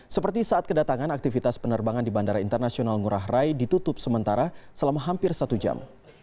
seperti saat kedatangan aktivitas penerbangan di bandara internasional ngurah rai ditutup sementara selama hampir satu jam